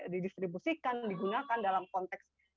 didistribusikan digunakan dalam konteks